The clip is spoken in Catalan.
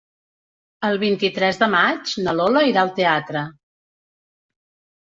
El vint-i-tres de maig na Lola irà al teatre.